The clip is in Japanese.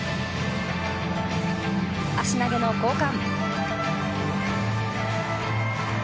足投げの交換。